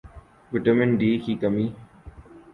vitamin D کی کمی